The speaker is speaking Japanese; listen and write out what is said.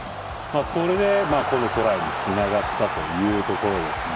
それでこのトライにつながったというところですね。